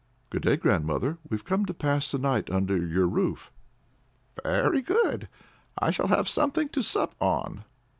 "Good day, grandmother. We've come to pass the night under your roof." "Very good: I shall have something to sup on."